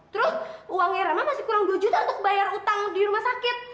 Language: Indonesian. terus uangnya rama masih kurang dua juta untuk bayar utang di rumah sakit